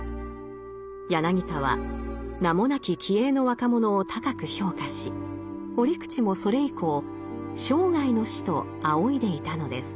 柳田は名もなき気鋭の若者を高く評価し折口もそれ以降生涯の師と仰いでいたのです。